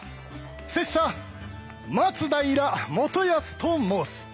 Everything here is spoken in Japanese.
拙者松平元康と申す。